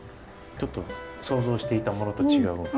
ちょっと想像していたものと違う。